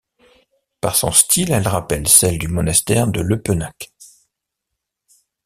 Par son style, elle rappelle celle du monastère de Lepenac.